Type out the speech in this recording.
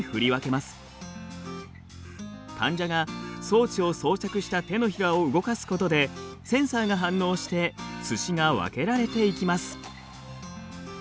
患者が装置を装着した手のひらを動かすことでセンサーが反応してすしが分けられていきます。